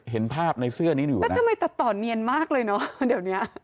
เห็นภาพในเสื้อนี้อยู่แล้วทำไมตัดต่อเนียนมากเลยเนอะเดี๋ยวเนี้ย